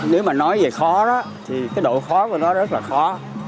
nếu mà nói về khó đó thì cái độ khó của nó rất là khó